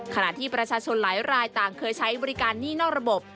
ขณะที่ประชาชนหลายรายต่างเคยใช้บริการหนี้นอกระบบ